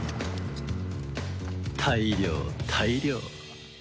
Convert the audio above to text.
大漁大漁。